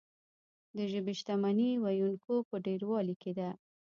د ژبې شتمني د ویونکو په ډیروالي کې ده.